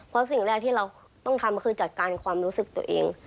เพราะสิ่งแรกที่เราต้องทำคือจัดการความรู้สึกตัวเอง